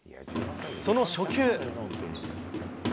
その初球。